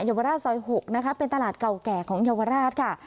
เยาวราชสอย๖เป็นตลาดเก่าของเยาวราชค่ะ